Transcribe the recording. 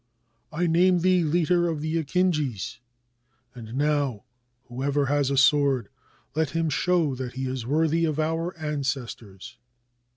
"I name thee leader of the akinjis; and now, who ever has a sword, let him show that he is worthy of our ancestors!"